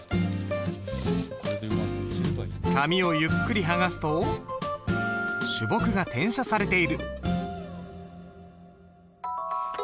紙をゆっくり剥がすと朱墨が転写されている。